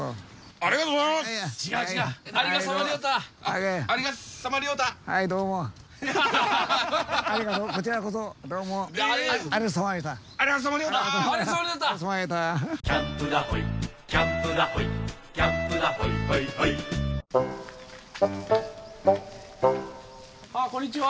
あこんにちは。